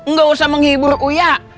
gak usah menghibur uya